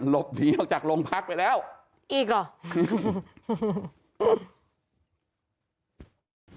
หลบหนีออกจากโรงพักไปแล้วอีกเหรอ